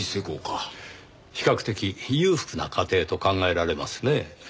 比較的裕福な家庭と考えられますね。